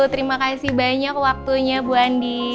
terima kasih banyak waktunya bu andi